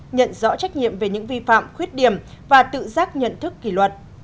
nhận rõ trách nhiệm về những vi phạm khuyết điểm và tự giác nhận thức kỷ luật